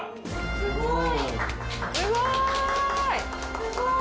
すごい！